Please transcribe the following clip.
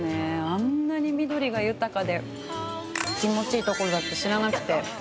あんなに緑が豊かで気持ちいいところだって知らなくて。